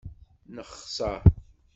Nexser.